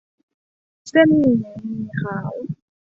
เส้นหมี่ หมี่ขาว